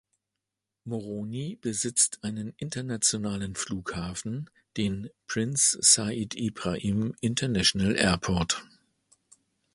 Moroni besitzt einen internationalen Flughafen, den Prince Said Ibrahim International Airport.